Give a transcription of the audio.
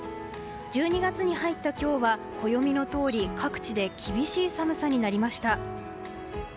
１２月に入った今日は暦のとおり各地で厳しい寒さになりました。